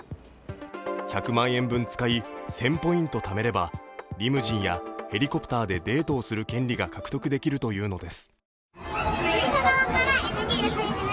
１００万円分使い１０００ポイントためればリムジンやヘリコプターでデートする権利を獲得できるというのです。